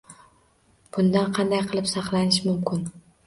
Bundan qanday qilib saqlanish mumkin?